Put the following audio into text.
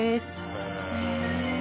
へえ。